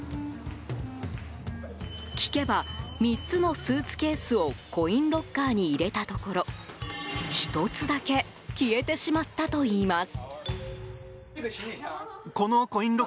聞けば、３つのスーツケースをコインロッカーに入れたところ１つだけ消えてしまったといいます。